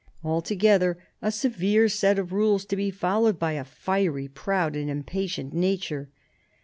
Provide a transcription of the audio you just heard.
Altogether a severe set of rules to be followed by a fiery, proud and impatient nature.